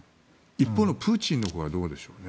一方のプーチンのほうはどうでしょうね。